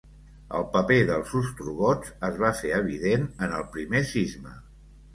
El paper dels ostrogots es va fer evident en el primer cisma.